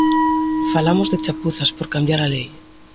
Falamos de chapuzas por cambiar a lei.